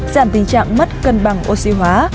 giảm tình trạng mất cân bằng oxy hóa